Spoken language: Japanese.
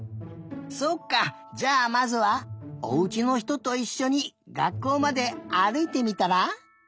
そっかじゃあまずはおうちのひとといっしょにがっこうまであるいてみたら？